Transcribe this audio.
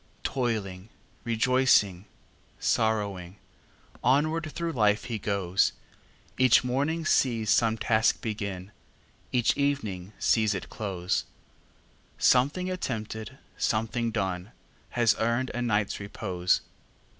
Toiling,—rejoicing,—sorrowing, Onward through life he goes; Each morning sees some task begin, Each evening sees it close; Something attempted, something done. Has earned a night's repose.